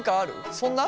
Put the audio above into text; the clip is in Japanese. そんな？